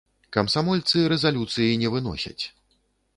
Камсамольцы рэзалюцыі не выносяць.